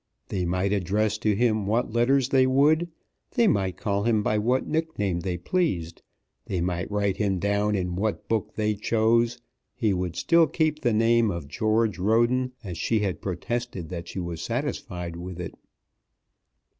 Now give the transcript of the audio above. They might address to him what letters they would, they might call him by what nickname they pleased, they might write him down in what book they chose, he would still keep the name of George Roden, as she had protested that she was satisfied with it.